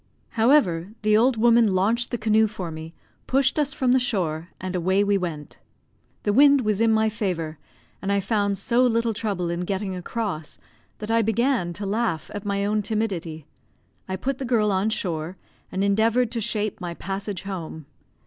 However, the old woman launched the canoe for me, pushed us from the shore, and away we went. The wind was in my favour, and I found so little trouble in getting across that I began to laugh at my own timidity. I put the girl on shore, and endeavoured to shape my passage home.